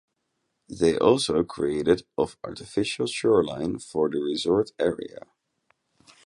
They also created of artificial shoreline for the resort area.